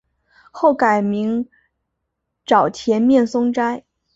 后改名沼田面松斋。